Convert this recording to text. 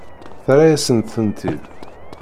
Terra-yasent-tent-id.